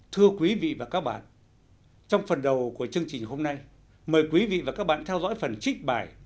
thưa quý vị và các bạn trong phần đầu của chương trình hôm nay mời quý vị và các bạn theo dõi phần trích bài